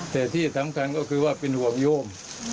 แต่ที่สำคัญก็คือว่าเป็นห่วงโยม